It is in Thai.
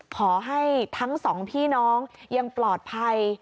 ขอให้ทั้งสองพี่น้องยังปลอดภัย